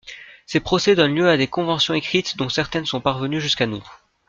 Ces procès donnent lieu à des conventions écrites dont certaines sont parvenues jusqu'à nous.